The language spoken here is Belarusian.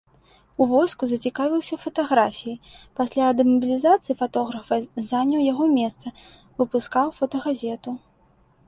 У войску зацікавіўся фатаграфіяй, пасля дэмабілізацыі фатографа заняў яго месца, выпускаў фотагазету.